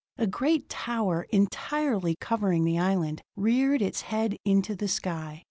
A great tower, entirely covering the island, reared its head into the sky.